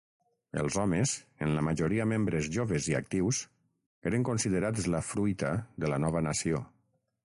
Els homes, en la majoria membres joves i actius, eren considerats la "fruita" de la nova nació.